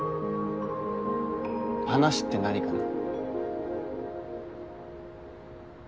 話って何かな？